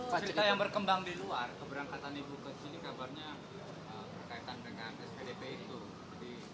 cerita yang berkembang di luar keberangkatan ibu ke sini kabarnya berkaitan dengan spdp itu